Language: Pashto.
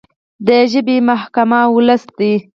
د ژبې محکمه ولس دی.